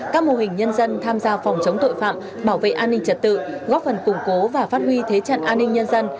các mô hình nhân dân tham gia phòng chống tội phạm bảo vệ an ninh trật tự góp phần củng cố và phát huy thế trận an ninh nhân dân